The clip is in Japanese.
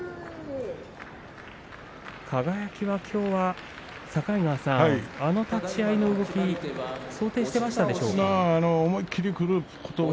輝はきょうは、境川さん立ち合いの動きは想定していましたかね。